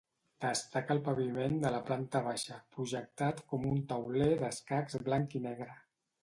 Destaca el paviment de la planta baixa, projectat com un tauler d'escacs blanc i negre.